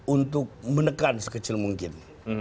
untuk menekan sekecil mungkin